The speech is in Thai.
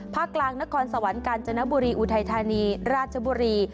ภาคกลางนครสวรรค์การ์นจนบุรีอุทัยทานีราสจบุรี